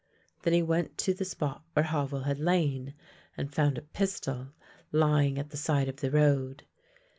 Then he went to the spot where Havel had lain, and found a pistol lying at the side of the road.